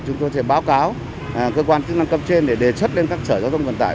chúng tôi sẽ báo cáo cơ quan chức năng cấp trên để đề xuất lên các sở giao thông vận tải